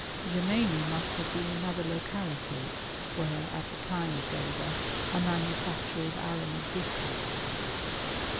Ja » meni must have been another locality, where, at th« time of Geber, a manufactory of alum existed.